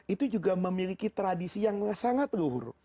itu juga memiliki tradisi yang sangat luhur